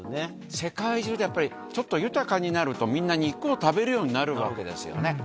世界中で、ちょっとやっぱり、ちょっと豊かになると、みんな肉を食べるようになるわけですよね。